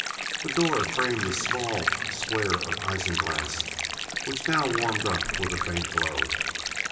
This door framed a small square of isinglass, which now warmed up with a faint glow.